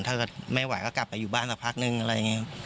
ถ้าจะไม่หวัยก็กลับไปอยู่บ้านสักพักหนึ่งอะไรอย่างนี้